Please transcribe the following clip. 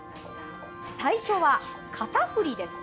最初は、肩振りです。